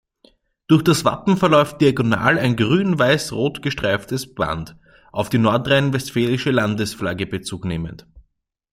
Durch das Wappen verläuft diagonal ein grün-weiß-rot gestreiftes Band, auf die nordrhein-westfälische Landesflagge bezugnehmend.